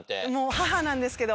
母なんですけど。